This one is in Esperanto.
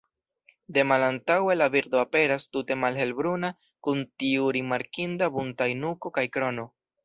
De malantaŭe la birdo aperas tute malhelbruna kun tiu rimarkinda buntaj nuko kaj krono.